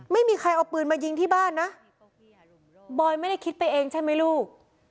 ไม่มีใครเอาปืนมายิงที่บ้านนะบอยไม่ได้คิดไปเองใช่ไหมลูก